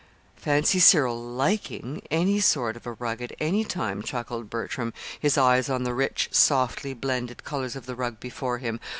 "Fancy Cyril liking any sort of a rug at any time," chuckled Bertram, his eyes on the rich, softly blended colors of the rug before him.